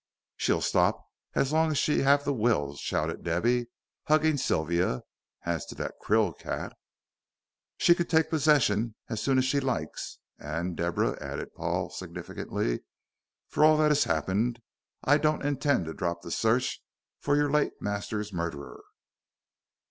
"She'll stop as long as she have the will," shouted Debby, hugging Sylvia; "as to that Krill cat " "She can take possession as soon as she likes. And, Deborah," added Paul, significantly, "for all that has happened, I don't intend to drop the search for your late master's murderer."